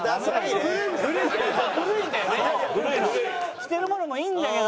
着てるものもいいんだけど。